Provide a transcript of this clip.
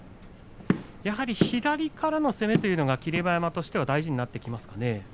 やはり左からの攻めというが霧馬山としては大事になってきますかね。